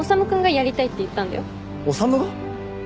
修が？